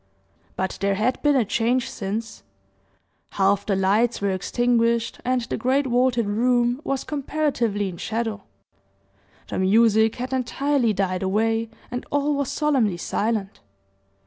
But there had been a change since half the lights were extinguished, and the great vaulted room was comparatively in shadow the music had entirely died away and all was solemnly silent.